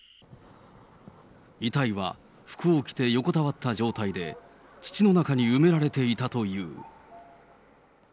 遺体は服を着て横たわった状態で、土の中に埋められていたという。